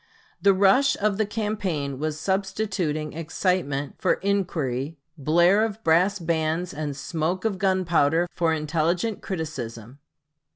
The rush of the campaign was substituting excitement for inquiry, blare of brass bands and smoke of gunpowder for intelligent criticism.